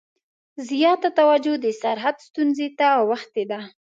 زیاته توجه د سرحد ستونزې ته اوښتې ده.